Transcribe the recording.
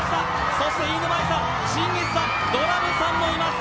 そして飯沼愛さん、チンギスさん、ドラムさんもいます！